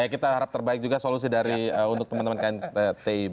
kita harap terbaik juga solusi dari teman teman kti